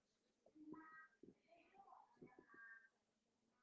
毕业于云林县私立东南国民中学和高雄市立高雄高级中学。